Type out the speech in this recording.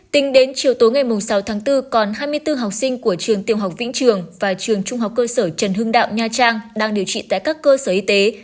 tính đến chiều tối ngày sáu tháng bốn còn hai mươi bốn học sinh của trường tiểu học vĩnh trường và trường trung học cơ sở trần hưng đạo nha trang đang điều trị tại các cơ sở y tế